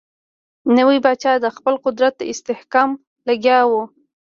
نوی پاچا د خپل قدرت استحکام لګیا وو.